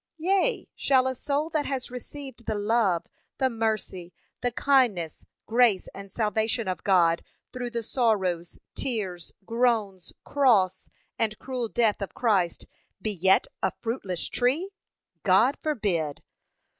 Yea, shall a soul that has received the love, the mercy, the kindness, grace and salvation of God through the sorrows, tears, groans, cross, and cruel death of Christ, be yet a fruitless tree! God forbid.